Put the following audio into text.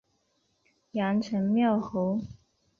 阳城缪侯。